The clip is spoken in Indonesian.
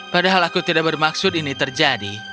padahal aku tidak bermaksud ini terjadi